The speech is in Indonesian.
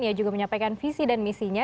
ia juga menyampaikan visi dan misinya